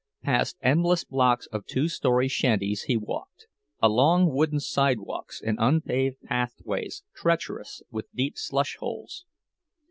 Past endless blocks of two story shanties he walked, along wooden sidewalks and unpaved pathways treacherous with deep slush holes.